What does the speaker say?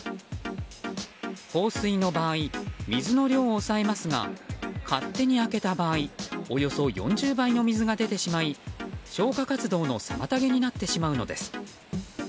放水の場合水の量を抑えますが勝手に開けた場合およそ４０倍の水が出てしまい消火活動の妨げになってしまうのです。